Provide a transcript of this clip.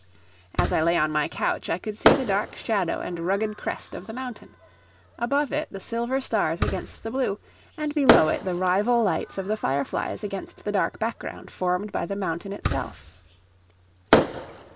As I lay on my couch I could see the dark shadow and rugged crest of the mountain; above it, the silver stars against the blue, and below it the rival lights of the fireflies against the dark background formed by the mountain itself.